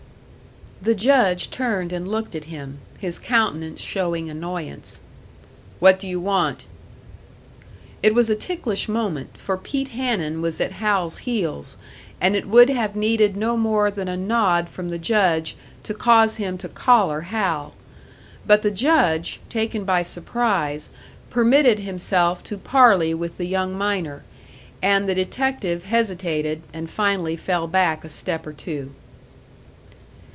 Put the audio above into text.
The Judge turned and looked at him, his countenance showing annoyance. "What do you want?" It was a ticklish moment, for Pete Hanun was at Hal's heels, and it would have needed no more than a nod from the Judge to cause him to collar Hal. But the Judge, taken by surprise, permitted himself to parley with the young miner; and the detective hesitated, and finally fell back a step or two.